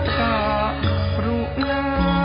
ทรงเป็นน้ำของเรา